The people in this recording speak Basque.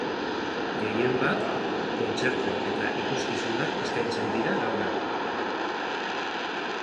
Gehienbat, kontzertuak eta ikuskizunak eskaintzen dira gaur egun.